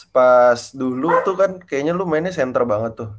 pas dulu tuh kan kayaknya lu mainnya center banget tuh